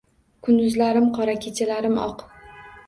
Kunduzlarim qora, kechalarim oq.